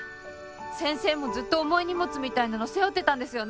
先生もずっと重い荷物みたいなの背負ってたんですよね？